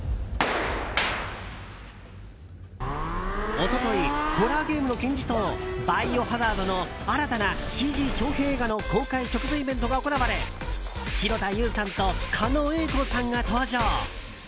一昨日、ホラーゲームの金字塔「バイオハザード」の新たなＣＧ長編映画の公開直前イベントが行われ城田優さんと狩野英孝さんが登場。